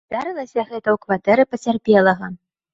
Здарылася гэта ў кватэры пацярпелага.